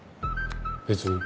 別に。